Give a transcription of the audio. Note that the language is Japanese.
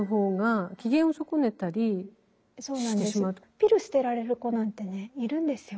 ピル捨てられる子なんてねいるんですよ